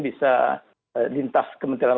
bisa lintas kementerian